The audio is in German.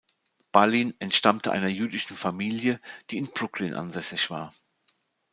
Balin entstammte einer jüdischen Familie, die in Brooklyn ansässig war.